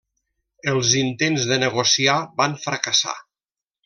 Els intents de negociar van fracassar.